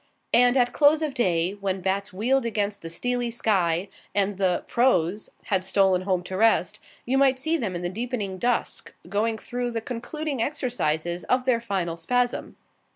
And at close of day, when bats wheeled against the steely sky and the "pro's" had stolen home to rest, you might see them in the deepening dusk, going through the concluding exercises of their final spasm.